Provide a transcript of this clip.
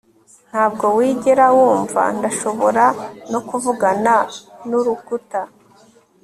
ntabwo wigera wumva. ndashobora no kuvugana nurukuta